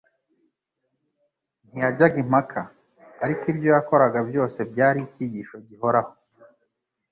Ntiyajyaga impaka, ariko ibyo yakoraga byose byari icyigisho gihoraho